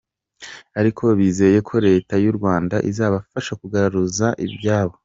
Ariko bizeye ko Leta y’u Rwanda izabafasha kugaruza ibyabo.